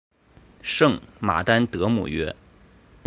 圣马丹德姆约。